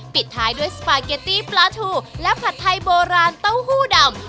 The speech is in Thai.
ปิดท้ายด้วยสปาเกตตี้ปลาทูและผัดไทยโบราณเต้าหู้ดำ